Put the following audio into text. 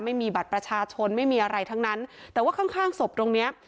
ไม่มีบัตรประชาชนไม่มีอะไรทั้งนั้นแต่ว่าข้างข้างศพตรงเนี้ย